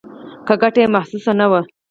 که ګټه یې محسوسه نه وه.